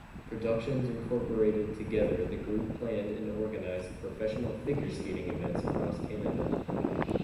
Productions Incorporated Together the group planned and organized professional figure skating events across Canada.